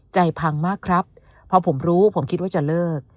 พังมากครับพอผมรู้ผมคิดว่าจะเลิก